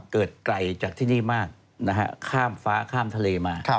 เกิดไกลจากที่นี่มากนะฮะข้ามฟ้าข้ามทะเลมา